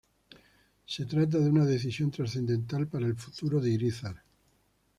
Se trata de una decisión transcendental para el futuro de Irizar.